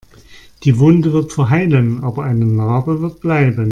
Die Wunde wird verheilen, aber eine Narbe wird bleiben.